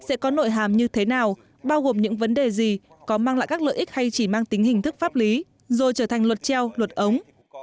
sẽ có nội hàm như thế nào bao gồm những vấn đề gì có mang lại các lợi ích hay chỉ mang tính hình thức pháp lý rồi trở thành luật treo luật ống